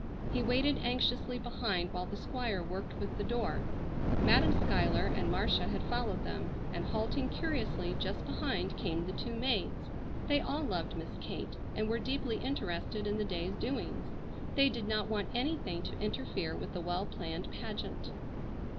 He waited anxiously behind while the Squire worked with the door. Madam Schuyler and Marcia had followed them, and halting curiously just behind came the two maids. They all loved Miss Kate and were deeply interested in the day's doings. They did not want anything to interfere with the well planned pageant.